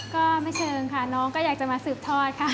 ก็ไม่เชิงค่ะน้องก็อยากจะมาสืบทอดค่ะ